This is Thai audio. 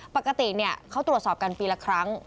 ปกติเขาตรวจสอบกันปีละครั้ง